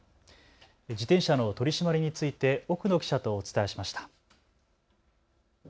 自転車の取締りについて奥野記者とお伝えしました。